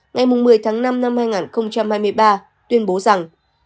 ngày một mươi tháng năm năm hai nghìn hai mươi ba tuyên bố rằng